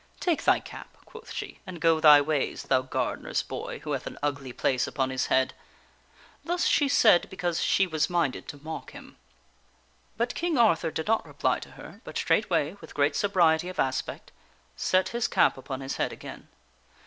" Take thy cap," quoth she, " and go thy ways, thou gardener's boy who hath an ugly place upon his head." Thus she said because she was minded to mock him. But King Arthur did not reply to her, but straightway, with great sobriety of aspect, set his cap upon his head again.